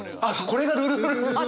これが「ルルルルル」ですよ！